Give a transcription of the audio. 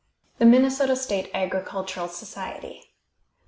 THE MINNESOTA STATE AGRICULTURAL SOCIETY.